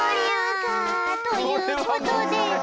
はあということで。